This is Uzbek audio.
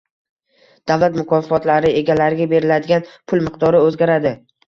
Davlat mukofotlari egalariga beriladigan pul miqdori oʻzgaradi